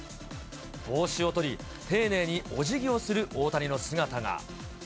帽子を取り、丁寧におじぎをする大谷の姿が。